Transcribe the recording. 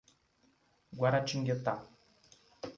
Guaratinguetá